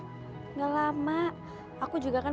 tidak lama aku juga kan